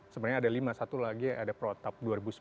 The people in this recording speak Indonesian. sebenarnya ada lima satu lagi ada protap dua ribu sepuluh